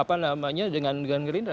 apa namanya dengan gerindra